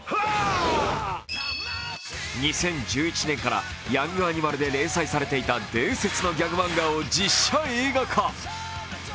２０１１年から「ヤングアニマル」で連載されていた伝説のギャグ漫画を実写映画化。